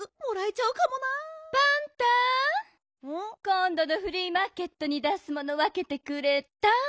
こんどのフリーマーケットに出すものわけてくれた？